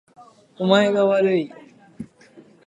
お前がわるい